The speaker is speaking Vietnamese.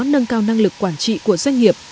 nâng cao năng lực quản trị của doanh nghiệp